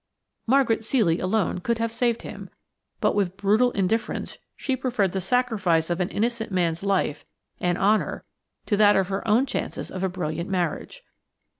Margaret Ceely alone could have saved him, but with brutal indifference she preferred the sacrifice of an innocent man's life and honour to that of her own chances of a brilliant marriage.